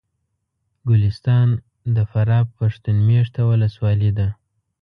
ګلستان د فراه پښتون مېشته ولسوالي ده